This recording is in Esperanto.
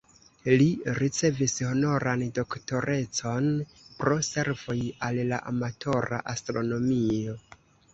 Li ricevis honoran doktorecon pro servoj al la amatora astronomio.